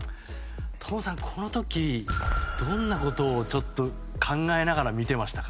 トムさん、この時どんなことを考えながら見ていましたか？